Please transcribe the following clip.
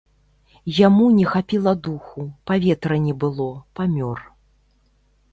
Яму не хапіла духу, паветра не было, памёр.